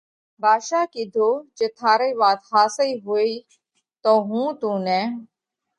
ڀاڌشا ڪِيڌو: جي ٿارئي وات ۿاسئِي هوئِي تو هُون تُون نئہ،